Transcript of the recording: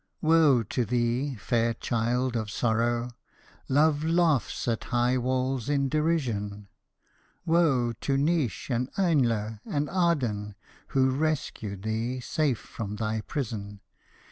Woe to thee, fair child of sprrow ! Love laughs at high walls in derision. Woe to Naois and Ainle and Ardan, who rescued thee safe from thy prison.